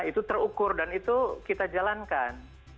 itu terukur dan itu kita jalankan